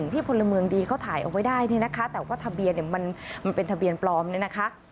ที่พลเมืองดีเขาถ่ายออกไว้ได้นะคะแต่ว่าทะเบียนมันเป็นทะเบียนปลอมนะคะ